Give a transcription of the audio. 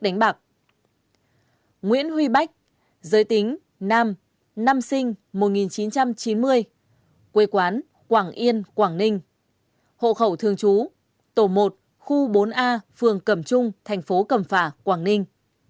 nguyễn huy bách giới tính nam năm sinh một nghìn chín trăm chín mươi quê quán quảng yên quảng ninh hộ khẩu thường chú tổ một khu bốn a phường cầm trung thành phố cầm phả quảng ninh